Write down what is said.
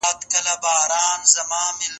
نړیوال قوانین د کوچنیو هیوادونو حقوق هم ساتي.